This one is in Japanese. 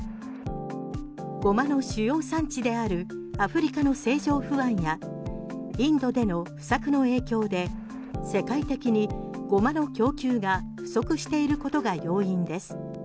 ゴマの主要産地であるアフリカの政情不安やインドでの不作の影響で世界的にゴマの供給が不足していることが要因です。